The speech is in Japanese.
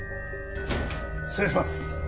失礼します